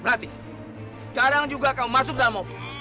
berarti sekarang juga kamu masuk dalam mobil